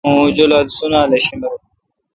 مہ اوں جولال سُونالا شیمروں۔